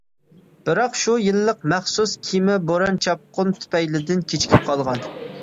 بىراق شۇ يىللىق مەخسۇس كېمە بوران-چاپقۇن تۈپەيلىدىن كېچىكىپ قالغان.